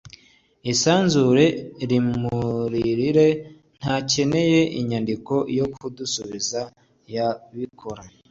isanzure rimuririra, ntakeneye inyandiko yo kudusubiza, yabikora